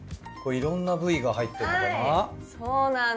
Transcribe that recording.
これいろんな部位が入ってるのかな？